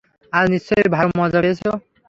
আজ নিশ্চয়ই ভালো মজা পেয়েছে?